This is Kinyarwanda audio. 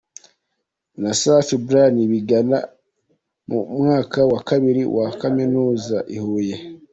na Safari Brayan bigana mu mwaka wa kabiri wa Kaminuza i Huye.